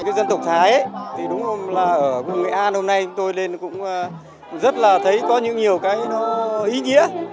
cái dân tộc thái thì đúng không là ở nghệ an hôm nay tôi lên cũng rất là thấy có những nhiều cái nó ý nghĩa